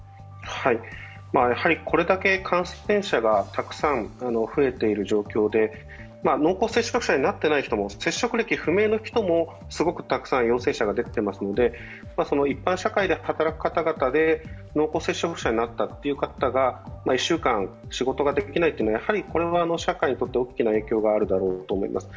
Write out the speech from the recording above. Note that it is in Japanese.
これだけ感染者がたくさん増えている状況で、濃厚接触者になっていない人も接触歴不明の人も、すごくたくさん陽性者が出てきていますので、一般社会で働く方々で濃厚接触者になった方々が１週間、仕事ができないというのは社会にとって大きな影響があるだろうと思います。